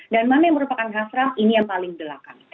dan mana yang merupakan hasrat ini yang paling belakang